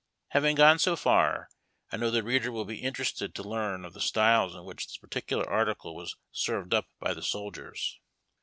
Having gone so far, I know the reader will be interested to learn of the styles in which this particular article was served up by the soldiers.